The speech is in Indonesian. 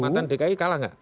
mantan dki kalah gak